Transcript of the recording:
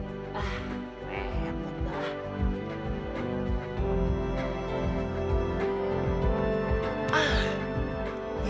ah meh betah